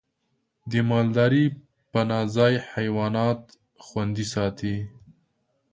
د مالدارۍ پناه ځای حیوانات خوندي ساتي.